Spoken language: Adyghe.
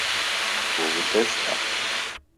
О удэщта?